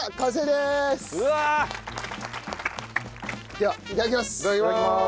ではいただきます。